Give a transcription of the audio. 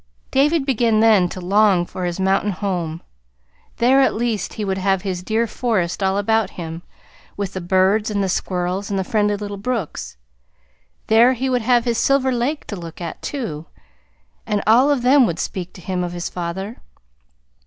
David began then to long for his mountain home. There at least he would have his dear forest all about him, with the birds and the squirrels and the friendly little brooks. There he would have his Silver Lake to look at, too, and all of them would speak to him of his father.